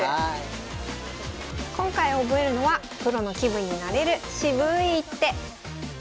今回覚えるのはプロの気分になれる渋い一手